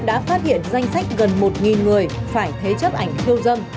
đã phát hiện danh sách gần một người phải thế chấp ảnh khiêu dâm